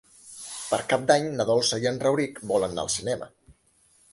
Per Cap d'Any na Dolça i en Rauric volen anar al cinema.